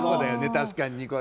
確かに。